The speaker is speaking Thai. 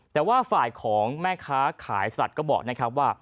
แต่ว่าฝ่ายของแม่ค้าขายสลัดก็บอก